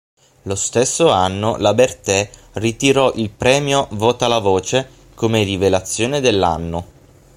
Lo stesso anno, la Bertè ritirò il premio "Vota la voce" come "Rivelazione dell'anno".